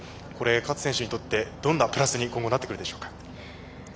勝選手にとってどんなプラスに今後なってくるでしょうか？